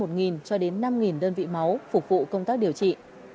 một cho đến năm đơn vị máu phục vụ công tác điều trị